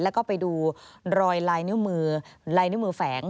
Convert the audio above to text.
แล้วก็ไปดูรอยลายนิ้วมือแฝง